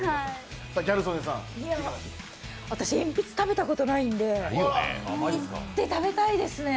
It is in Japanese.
私、エンピツ食べたことないんで、行って、食べたいですね。